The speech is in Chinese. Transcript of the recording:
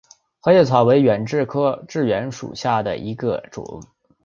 合叶草为远志科远志属下的一个种。